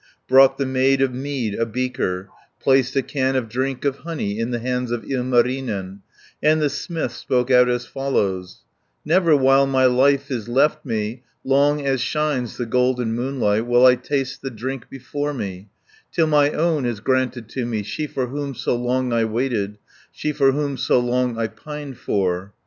Brought the maid of mead a beaker, Placed a can of drink of honey In the hands of Ilmarinen, And the smith spoke out as follows: "Never while my life is left me, Long as shines the golden moonlight, 10 Will I taste the drink before me, Till my own is granted to me, She for whom so long I waited, She for whom so long I pined for."